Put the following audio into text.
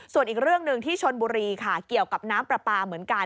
ส่วนอีกเรื่องหนึ่งที่ชนบุรีค่ะเกี่ยวกับน้ำปลาปลาเหมือนกัน